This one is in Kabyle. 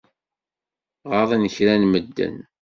Ɣaḍen kra n medden.